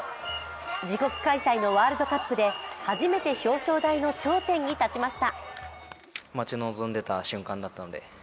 自国開催のワールドカップで初めて表彰台の頂点に立ちました。